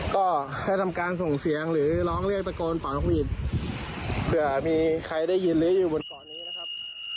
ก็ให้ทำการส่งเสียงหรือร้องเลี่ยงประโกนป่าวน้องผู้หญิงเผื่อมีใครได้ยินเลยอยู่บนเกาะนี้นะครับ